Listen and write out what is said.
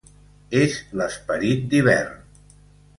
És l'esperit d'hivern.